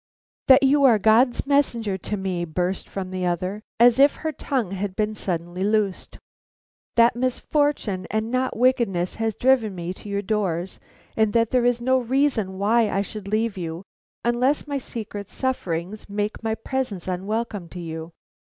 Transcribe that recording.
"That you are God's messenger to me," burst from the other, as if her tongue had been suddenly loosed. "That misfortune, and not wickedness, has driven me to your doors; and that there is no reason why I should leave you unless my secret sufferings make my presence unwelcome to you."